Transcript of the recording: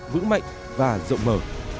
vững mạnh và rộng mở